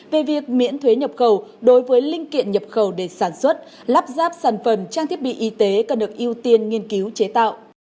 về việc miễn thuế nhập khẩu đối với linh kiện nhập khẩu để sản xuất lắp ráp sản phẩm trang thiết bị y tế cần được ưu tiên nghiên cứu chế tạo